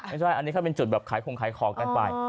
ไม่ใช่อันนี้เขาเป็นจุดแบบขายของขายของกันไป